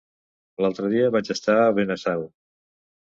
L'altre dia vaig estar a Benasau.